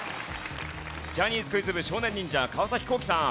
ジャニーズクイズ部少年忍者川皇輝さん。